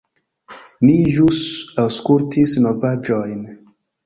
Ni ĵus aŭskultis novaĵojn.